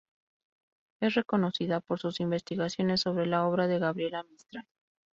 Es reconocida por sus investigaciones sobre la obra de Gabriela Mistral.